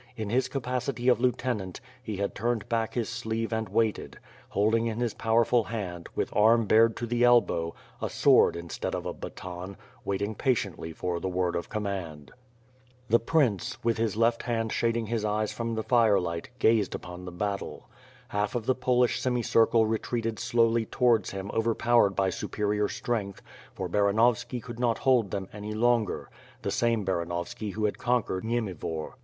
In his capacity of lieutenant, he had turned back his sleeve and waited; holding in his powerful hand, with arm bared to the elbow, a sword instead of a baton, waiting patiently for the word of command. The prince, with his left hand shading his eyes from the J44 ^^^^^^^^^^^ SWOkD. firelight, gazed upon tihe battle. Half of the Polish semi circle reti^eated slowly towards him overpowered by superior strength, for Baranovski could not hold them any longer; the same Baranovski who had conquered Niemivor.